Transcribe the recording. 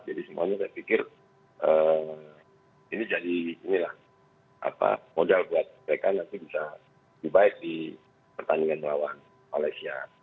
jadi semuanya saya pikir ini jadi modal buat mereka nanti bisa lebih baik di pertandingan melawan malaysia